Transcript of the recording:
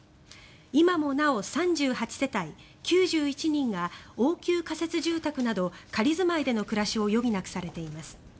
今もなお３８世帯９１人が応急仮設住宅など仮住まいでの暮らしを余儀なくされています。